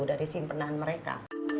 dari simpanan mereka